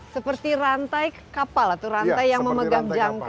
seperti rantai kapal atau rantai yang memegang jangka